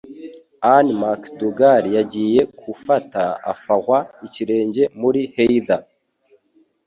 Annie MacDougall yagiye kufata, afawa ikirenge muri heather,